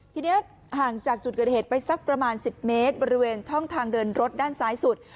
ทีนี้ห่างจากจุดเกิดเหตุไปสักประมาณ๑๐เมตรบริเวณช่องทางเดินรถด้านซ้ายสุด